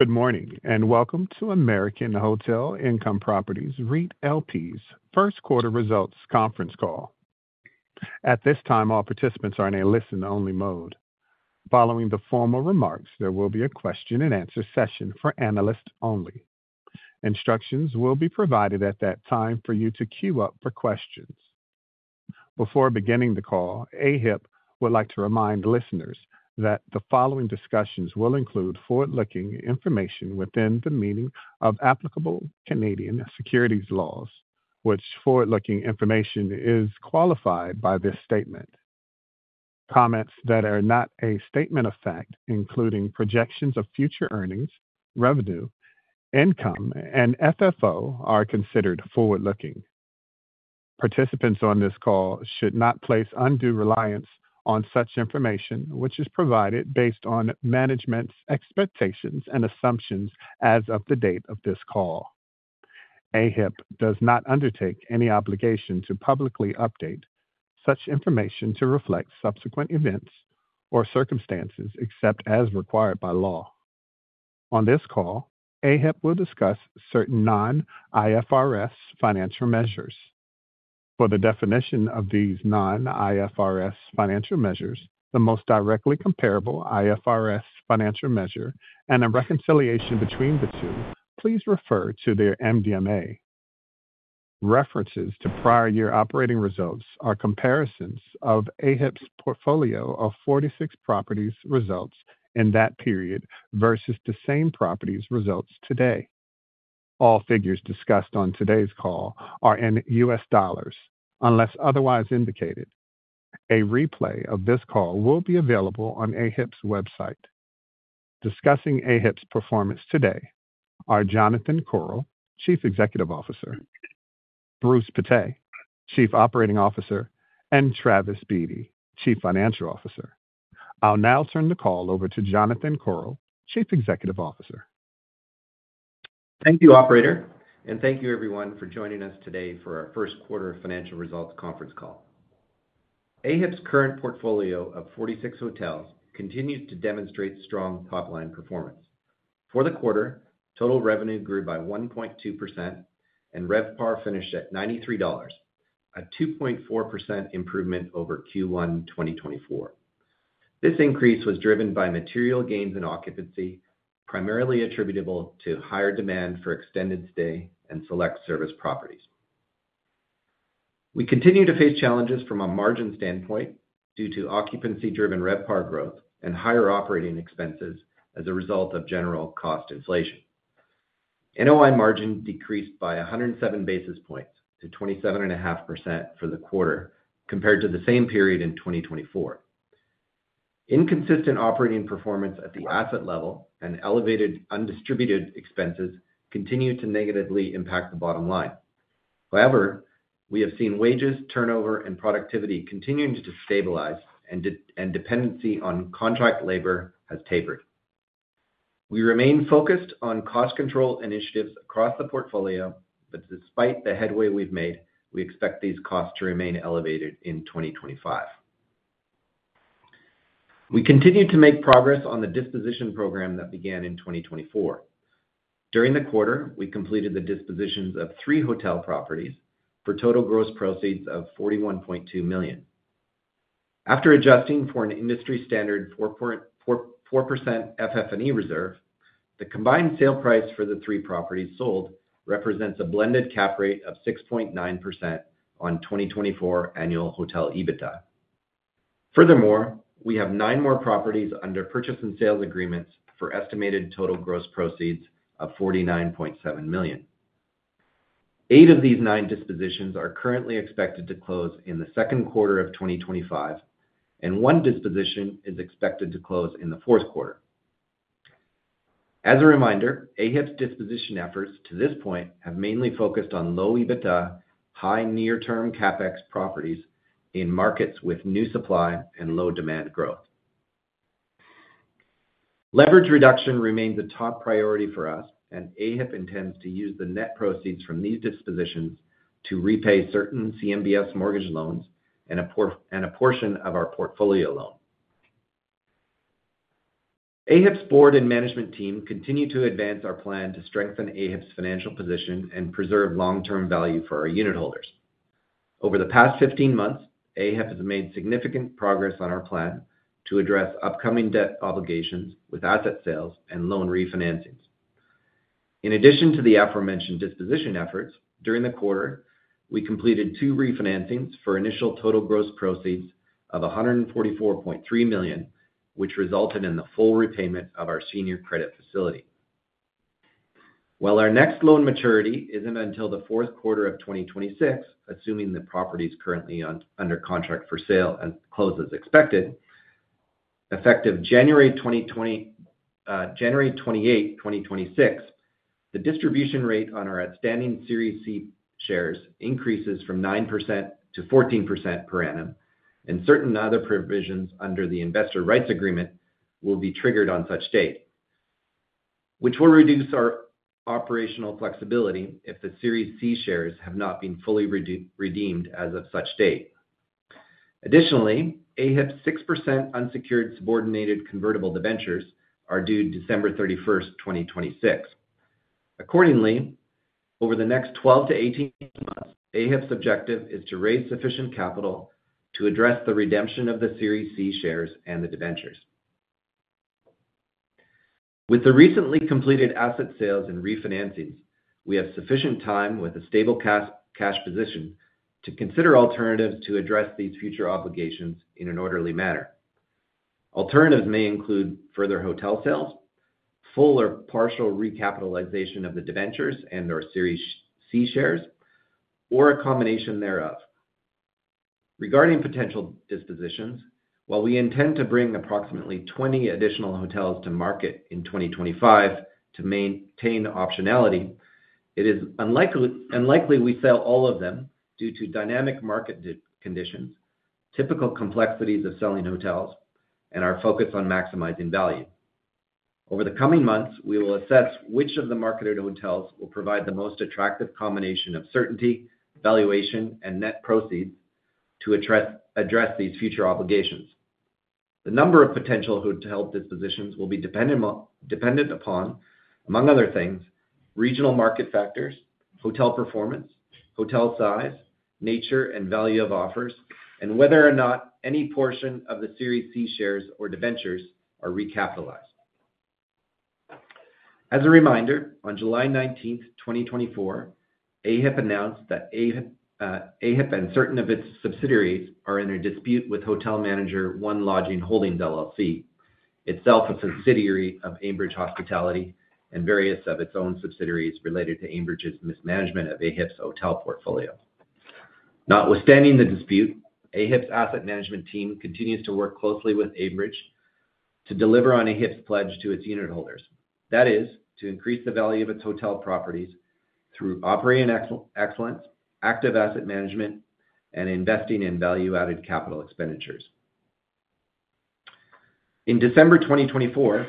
Good morning and welcome to American Hotel Income Properties REIT LP's first quarter results conference call. At this time, all participants are in a listen-only mode. Following the formal remarks, there will be a question-and-answer session for analysts only. Instructions will be provided at that time for you to queue up for questions. Before beginning the call, AHIP would like to remind listeners that the following discussions will include forward-looking information within the meaning of applicable Canadian securities laws, which forward-looking information is qualified by this statement. Comments that are not a statement of fact, including projections of future earnings, revenue, income, and FFO, are considered forward-looking. Participants on this call should not place undue reliance on such information, which is provided based on management's expectations and assumptions as of the date of this call. AHIP does not undertake any obligation to publicly update such information to reflect subsequent events or circumstances except as required by law. On this call, AHIP will discuss certain non-IFRS financial measures. For the definition of these non-IFRS financial measures, the most directly comparable IFRS financial measure, and a reconciliation between the two, please refer to their MDMA. References to prior year operating results are comparisons of AHIP's portfolio of 46 properties' results in that period versus the same properties' results today. All figures discussed on today's call are in US dollars unless otherwise indicated. A replay of this call will be available on AHIP's website. Discussing AHIP's performance today are Jonathan Korol, Chief Executive Officer; Bruce Pittet, Chief Operating Officer; and Travis Beatty, Chief Financial Officer. I'll now turn the call over to Jonathan Korol, Chief Executive Officer. Thank you, Operator, and thank you, everyone, for joining us today for our first quarter financial results conference call. AHIP's current portfolio of 46 hotels continues to demonstrate strong top-line performance. For the quarter, total revenue grew by 1.2%, and RevPAR finished at $93, a 2.4% improvement over Q1 2024. This increase was driven by material gains in occupancy, primarily attributable to higher demand for extended stay and select service properties. We continue to face challenges from a margin standpoint due to occupancy-driven RevPAR growth and higher operating expenses as a result of general cost inflation. NOI margin decreased by 107 basis points to 27.5% for the quarter compared to the same period in 2024. Inconsistent operating performance at the asset level and elevated undistributed expenses continue to negatively impact the bottom line. However, we have seen wages, turnover, and productivity continuing to stabilize, and dependency on contract labor has tapered. We remain focused on cost control initiatives across the portfolio, but despite the headway we've made, we expect these costs to remain elevated in 2025. We continue to make progress on the disposition program that began in 2024. During the quarter, we completed the dispositions of three hotel properties for total gross proceeds of $41.2 million. After adjusting for an industry-standard 4% FF&E reserve, the combined sale price for the three properties sold represents a blended cap rate of 6.9% on 2024 annual hotel EBITDA. Furthermore, we have nine more properties under purchase and sales agreements for estimated total gross proceeds of $49.7 million. Eight of these nine dispositions are currently expected to close in the second quarter of 2025, and one disposition is expected to close in the fourth quarter. As a reminder, AHIP's disposition efforts to this point have mainly focused on low EBITDA, high near-term CapEx properties in markets with new supply and low demand growth. Leverage reduction remains a top priority for us, and AHIP intends to use the net proceeds from these dispositions to repay certain CMBS mortgage loans and a portion of our portfolio loan. AHIP's board and management team continue to advance our plan to strengthen AHIP's financial position and preserve long-term value for our unit holders. Over the past 15 months, AHIP has made significant progress on our plan to address upcoming debt obligations with asset sales and loan refinancings. In addition to the aforementioned disposition efforts, during the quarter, we completed two refinancings for initial total gross proceeds of $144.3 million, which resulted in the full repayment of our senior credit facility. While our next loan maturity is not until the fourth quarter of 2026, assuming the property is currently under contract for sale and closes as expected, effective January 28, 2026, the distribution rate on our outstanding Series C shares increases from 9% to 14% per annum, and certain other provisions under the investor rights agreement will be triggered on such date, which will reduce our operational flexibility if the Series C shares have not been fully redeemed as of such date. Additionally, AHIP's 6% unsecured subordinated convertible debentures are due December 31, 2026. Accordingly, over the next 12-18 months, AHIP's objective is to raise sufficient capital to address the redemption of the Series C shares and the debentures. With the recently completed asset sales and refinancings, we have sufficient time with a stable cash position to consider alternatives to address these future obligations in an orderly manner. Alternatives may include further hotel sales, full or partial recapitalization of the debentures and/or Series C shares, or a combination thereof. Regarding potential dispositions, while we intend to bring approximately 20 additional hotels to market in 2025 to maintain optionality, it is unlikely we sell all of them due to dynamic market conditions, typical complexities of selling hotels, and our focus on maximizing value. Over the coming months, we will assess which of the marketed hotels will provide the most attractive combination of certainty, valuation, and net proceeds to address these future obligations. The number of potential hotel dispositions will be dependent upon, among other things, regional market factors, hotel performance, hotel size, nature and value of offers, and whether or not any portion of the Series C shares or debentures are recapitalized. As a reminder, on July 19, 2024, AHIP announced that AHIP and certain of its subsidiaries are in a dispute with Hotel Manager One Lodging Holdings LLC, itself a subsidiary of Ambridge Hospitality and various of its own subsidiaries related to Ambridge's mismanagement of AHIP's hotel portfolio. Notwithstanding the dispute, AHIP's asset management team continues to work closely with Ambridge to deliver on AHIP's pledge to its unit holders. That is, to increase the value of its hotel properties through operating excellence, active asset management, and investing in value-added capital expenditures. In December 2024,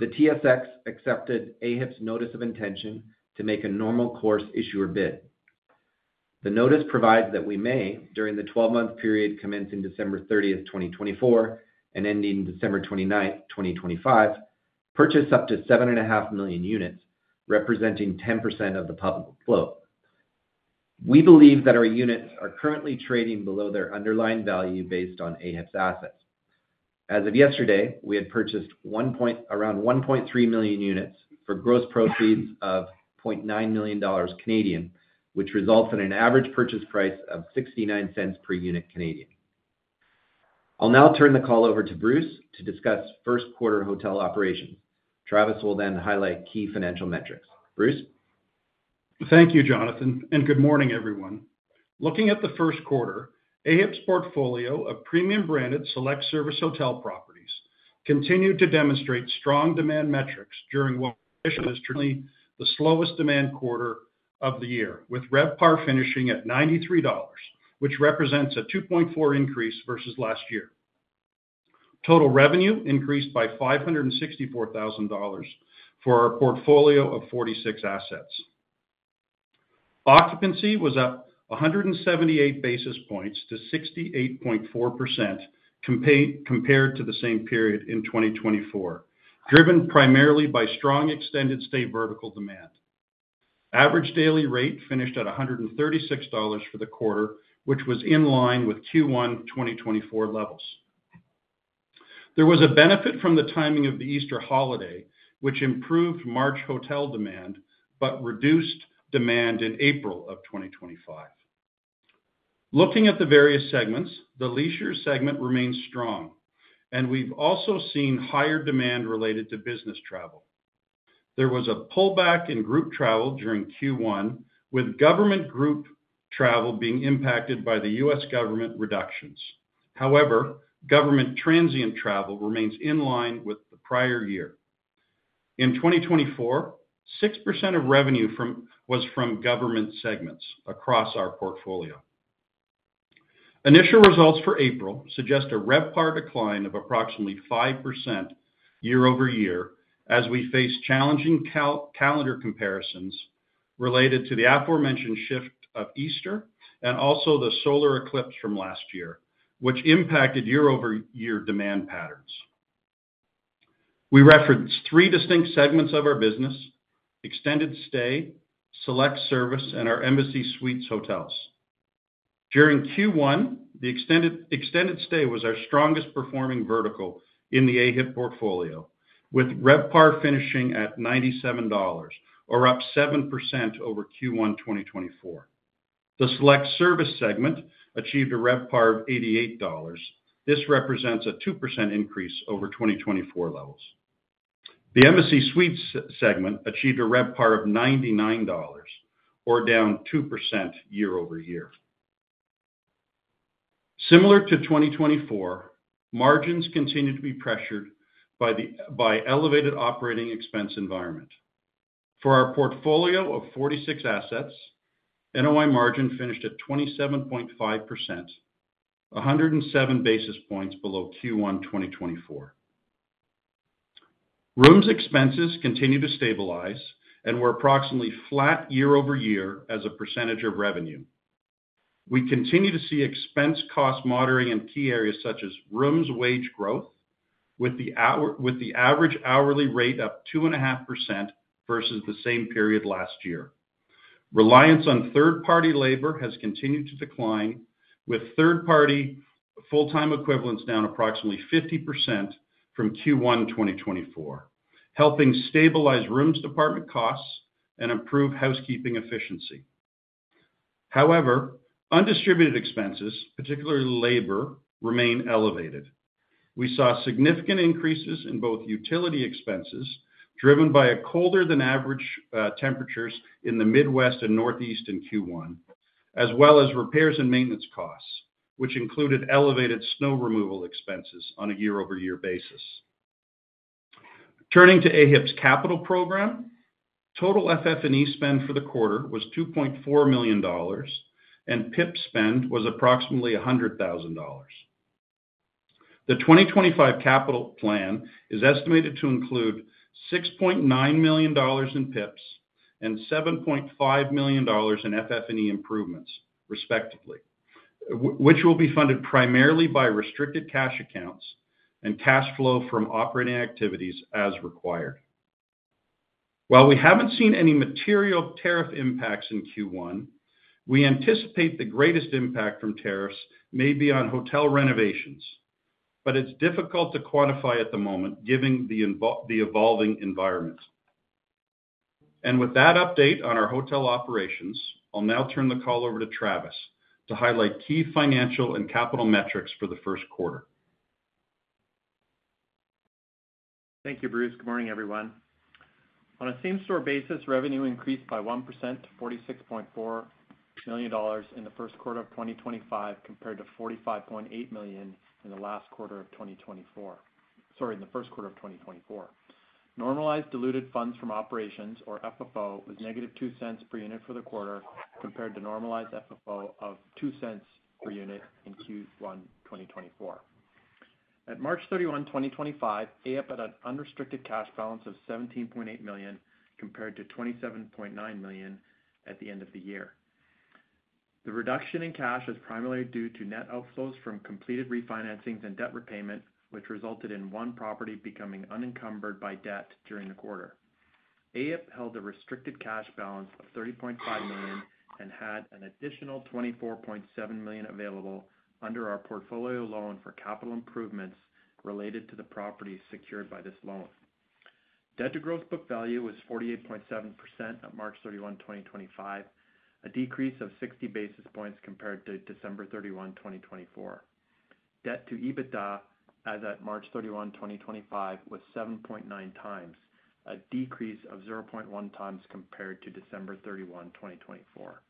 the Toronto Stock Exchange accepted AHIP's notice of intention to make a normal course issuer bid. The notice provides that we may, during the 12-month period commencing December 30, 2024, and ending December 29, 2025, purchase up to 7.5 million units, representing 10% of the public float. We believe that our units are currently trading below their underlying value based on AHIP's assets. As of yesterday, we had purchased around 1.3 million units for gross proceeds of 0.9 million Canadian dollars, which results in an average purchase price of 0.69 per unit. I'll now turn the call over to Bruce to discuss first quarter hotel operations. Travis will then highlight key financial metrics. Bruce. Thank you, Jonathan, and good morning, everyone. Looking at the first quarter, AHIP's portfolio of premium-branded select service hotel properties continued to demonstrate strong demand metrics during what is currently the slowest demand quarter of the year, with RevPAR finishing at $93, which represents a 2.4% increase versus last year. Total revenue increased by $564,000 for our portfolio of 46 assets. Occupancy was up 178 basis points to 68.4% compared to the same period in 2024, driven primarily by strong extended stay vertical demand. Average daily rate finished at $136 for the quarter, which was in line with Q1 2024 levels. There was a benefit from the timing of the Easter holiday, which improved March hotel demand but reduced demand in April of 2025. Looking at the various segments, the leisure segment remains strong, and we've also seen higher demand related to business travel. There was a pullback in group travel during Q1, with government group travel being impacted by the U.S. government reductions. However, government transient travel remains in line with the prior year. In 2024, 6% of revenue was from government segments across our portfolio. Initial results for April suggest a RevPAR decline of approximately 5% year over year as we face challenging calendar comparisons related to the aforementioned shift of Easter and also the solar eclipse from last year, which impacted year-over-year demand patterns. We reference three distinct segments of our business: extended stay, select service, and our Embassy Suites hotels. During Q1, the extended stay was our strongest performing vertical in the AHIP portfolio, with RevPAR finishing at $97, or up 7% over Q1 2024. The select service segment achieved a RevPAR of $88. This represents a 2% increase over 2024 levels. The Embassy Suites segment achieved a RevPAR of $99, or down 2% year over year. Similar to 2024, margins continue to be pressured by the elevated operating expense environment. For our portfolio of 46 assets, NOI margin finished at 27.5%, 107 basis points below Q1 2024. Rooms expenses continue to stabilize and were approximately flat year over year as a percentage of revenue. We continue to see expense cost moderating in key areas such as rooms wage growth, with the average hourly rate up 2.5% versus the same period last year. Reliance on third-party labor has continued to decline, with third-party full-time equivalents down approximately 50% from Q1 2024, helping stabilize rooms department costs and improve housekeeping efficiency. However, undistributed expenses, particularly labor, remain elevated. We saw significant increases in both utility expenses driven by colder-than-average temperatures in the Midwest and Northeast in Q1, as well as repairs and maintenance costs, which included elevated snow removal expenses on a year-over-year basis. Turning to AHIP's capital program, total FF&E spend for the quarter was $2.4 million, and PIP spend was approximately $100,000. The 2025 capital plan is estimated to include $6.9 million in PIPs and $7.5 million in FF&E improvements, respectively, which will be funded primarily by restricted cash accounts and cash flow from operating activities as required. While we haven't seen any material tariff impacts in Q1, we anticipate the greatest impact from tariffs may be on hotel renovations, but it's difficult to quantify at the moment given the evolving environment. With that update on our hotel operations, I'll now turn the call over to Travis to highlight key financial and capital metrics for the first quarter. Thank you, Bruce. Good morning, everyone. On a same-store basis, revenue increased by 1% to $46.4 million in the first quarter of 2025 compared to $45.8 million in the first quarter of 2024. Normalized diluted funds from operations, or FFO, was negative $0.02 per unit for the quarter compared to normalized FFO of $0.02 per unit in Q1 2024. At March 31, 2025, AHIP had an unrestricted cash balance of $17.8 million compared to $27.9 million at the end of the year. The reduction in cash is primarily due to net outflows from completed refinancings and debt repayment, which resulted in one property becoming unencumbered by debt during the quarter. AHIP held a restricted cash balance of $30.5 million and had an additional $24.7 million available under our portfolio loan for capital improvements related to the properties secured by this loan. Debt-to-growth book value was 48.7% at March 31, 2025, a decrease of 60 basis points compared to December 31, 2024. Debt-to-EBITDA as at March 31, 2025, was 7.9 times, a decrease of 0.1 times compared to December 31, 2024.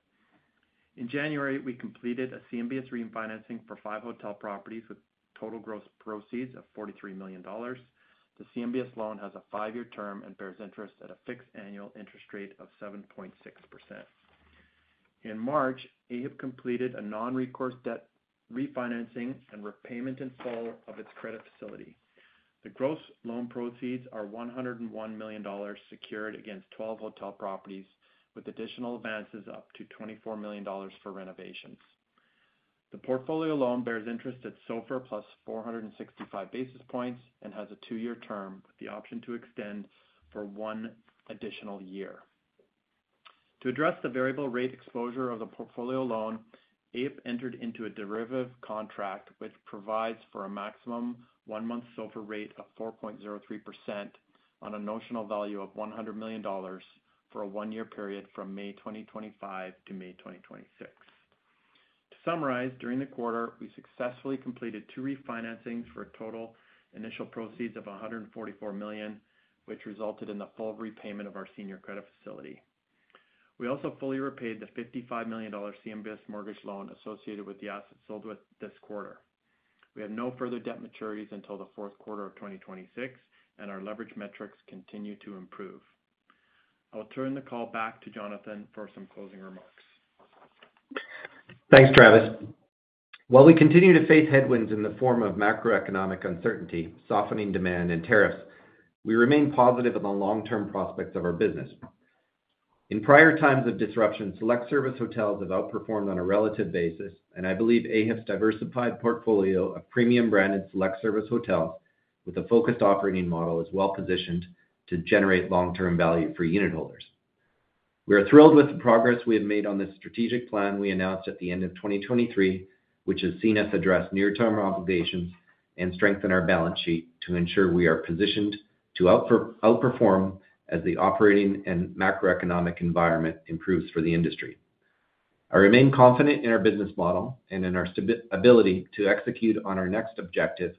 In January, we completed a CMBS refinancing for five hotel properties with total gross proceeds of $43 million. The CMBS loan has a five-year term and bears interest at a fixed annual interest rate of 7.6%. In March, AHIP completed a non-recourse debt refinancing and repayment in full of its credit facility. The gross loan proceeds are $101 million secured against 12 hotel properties, with additional advances up to $24 million for renovations. The portfolio loan bears interest at SOFR plus 465 basis points and has a two-year term with the option to extend for one additional year. To address the variable rate exposure of the portfolio loan, AHIP entered into a derivative contract, which provides for a maximum one-month SOFR rate of 4.03% on a notional value of $100 million for a one-year period from May 2025 to May 2026. To summarize, during the quarter, we successfully completed two refinancing's for a total initial proceeds of $144 million, which resulted in the full repayment of our senior credit facility. We also fully repaid the $55 million CMBS mortgage loan associated with the assets sold this quarter. We have no further debt maturities until the fourth quarter of 2026, and our leverage metrics continue to improve. I'll turn the call back to Jonathan for some closing remarks. Thanks, Travis. While we continue to face headwinds in the form of macroeconomic uncertainty, softening demand, and tariffs, we remain positive about long-term prospects of our business. In prior times of disruption, select service hotels have outperformed on a relative basis, and I believe AHIP's diversified portfolio of premium-branded select service hotels with a focused operating model is well-positioned to generate long-term value for unit holders. We are thrilled with the progress we have made on this strategic plan we announced at the end of 2023, which has seen us address near-term obligations and strengthen our balance sheet to ensure we are positioned to outperform as the operating and macroeconomic environment improves for the industry. I remain confident in our business model and in our ability to execute on our next objective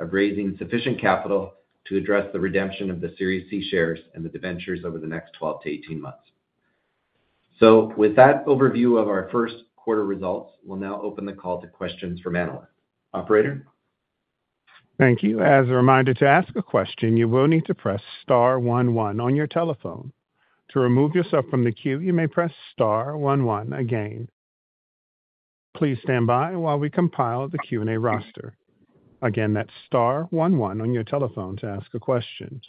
of raising sufficient capital to address the redemption of the Series C shares and the debentures over the next 12-18 months. With that overview of our first quarter results, we'll now open the call to questions from analysts. Operator? Thank you. As a reminder to ask a question, you will need to press Star one one on your telephone. To remove yourself from the queue, you may press Star one one again. Please stand by while we compile the Q&A roster. Again, that's Star one one on your telephone to ask a question.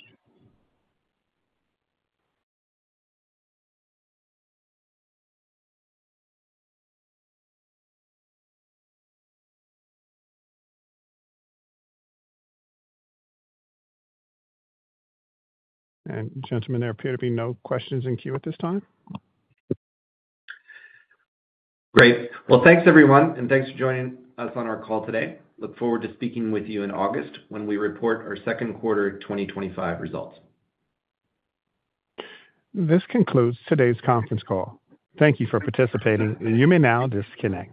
Gentlemen, there appear to be no questions in queue at this time. Great. Thanks, everyone, and thanks for joining us on our call today. Look forward to speaking with you in August when we report our second quarter 2025 results. This concludes today's conference call. Thank you for participating, and you may now disconnect.